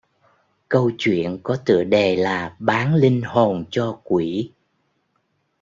Câu chuyện có tựa đề là bán linh hồn cho quỷ